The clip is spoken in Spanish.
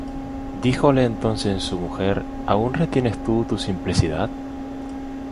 Díjole entonces su mujer: ¿Aun retienes tú tu simplicidad?